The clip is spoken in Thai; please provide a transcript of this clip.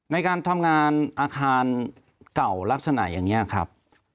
ในการทำงานอาคารเก่าลักษณะอย่างนี้ครับ